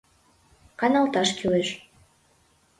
— Каналташ кӱлеш!